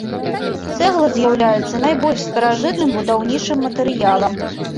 Цэгла з'яўляецца найбольш старажытным будаўнічым матэрыялам.